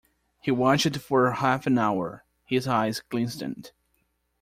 He watched it for half an hour; his eyes glistened.